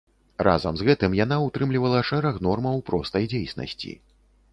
Разам з гэтым яна ўтрымлівала шэраг нормаў простай дзейнасці.